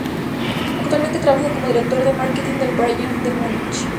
Actualmente trabaja como director de marketing del Bayern de Múnich.